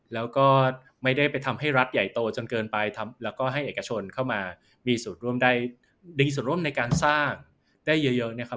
แล้วก็ไม่ได้ไปทำให้รัฐใหญ่โตจนเกินไปแล้วก็ให้เอกชนเข้ามามีส่วนร่วมได้ดีส่วนร่วมในการสร้างได้เยอะนะครับ